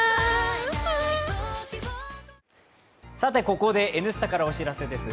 ここで「Ｎスタ」からお知らせです